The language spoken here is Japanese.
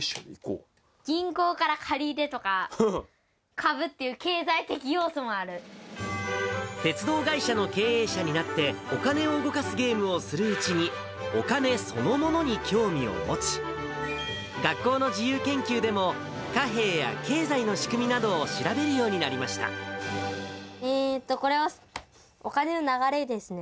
銀行から借り入れとか、鉄道会社の経営者になって、お金を動かすゲームをするうちに、お金そのものに興味を持ち、学校の自由研究でも、貨幣や経済の仕組みなどを調べるようになりこれはお金の流れですね。